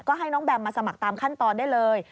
ก็ให้น้องแบมมาสมัครตามขั้นตอนได้เลย